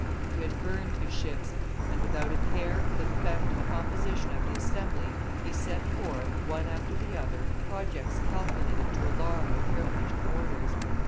He had burned his ships, and without a care for the defective composition of the assembly, he set forth, one after the other, projects calculated to alarm the privileged orders.